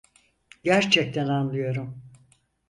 Gerçekten anlıyorum.